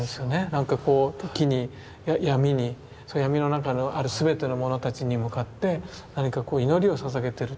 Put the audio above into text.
何かこう木に闇に闇の中にある全てのものたちに向かって何か祈りを捧げてるという。